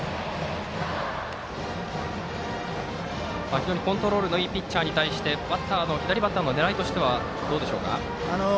非常にコントロールのいいピッチャーに対して左バッターの狙いとしてはどうでしょうか。